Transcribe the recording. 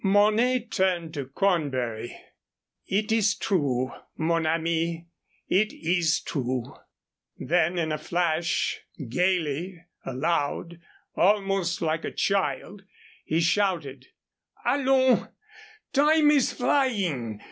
Mornay turned to Cornbury. "It is true, mon ami it is true." Then, in a flash, gayly, aloud, almost like a child, he shouted: "Allons, time is flying.